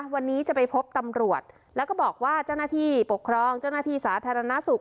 วันนี้จะไปพบตำรวจแล้วก็บอกว่าเจ้าหน้าที่ปกครองเจ้าหน้าที่สาธารณสุข